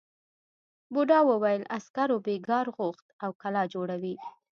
بوڊا وویل عسکرو بېگار غوښت او کلا جوړوي.